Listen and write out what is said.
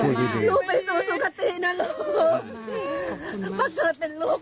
ลูกไปดีนะลูกลูกไปสู่สุขตีนะลูก